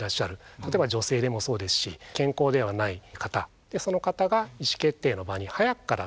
例えば女性でもそうですし健康ではない方その方が意思決定の場に早くから携わるようになったと。